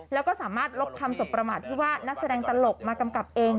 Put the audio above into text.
แล้วก็สามารถลบคำสบประมาทที่ว่านักแสดงตลกมากำกับเอง